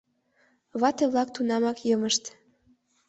Вате-влак тунамак йымышт.